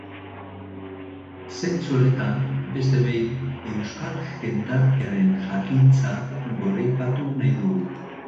Zentzu honetan, beste behin, euskal jendartearen jakintza goraipatu nahi dugu.